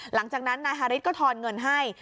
หลังจากนั้นนายฮาริสก็ทอนเงินให้